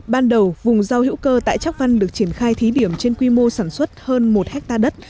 ban đầu vùng rau hữu cơ tại tróc văn được triển khai thí điểm trên quy mô sản xuất hơn một hectare đất